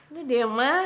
nggak deh ma